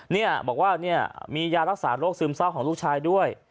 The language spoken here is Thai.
เนี่ยบอกว่าเนี่ยมียารักษาโรคซึมเศร้าของลูกชายด้วย